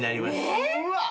えっ！？